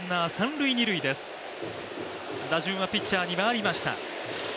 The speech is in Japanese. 打順はピッチャーに回りました。